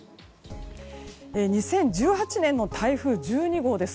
２０１８年の台風１２号です。